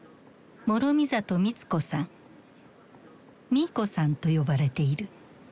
ミーコさんと呼ばれている。